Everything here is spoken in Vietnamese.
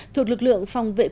thuộc lực lượng phòng vệ quốc gia